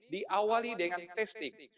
diawali dengan testing